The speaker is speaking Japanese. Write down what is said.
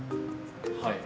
はい。